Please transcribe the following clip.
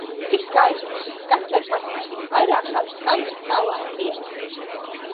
Cik skaisti. Šis skats liek pasmaidīt! vairāk šādu skaistu, saulainu dienu.